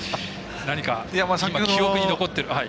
何か記憶に残っているものは。